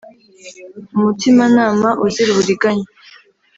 umutimanama uzira uburiganya